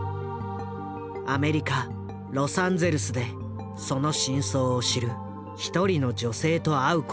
アメリカ・ロサンゼルスでその真相を知る一人の女性と会うことができた。